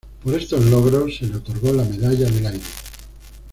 Por estos logros, se le otorgó la Medalla del Aire.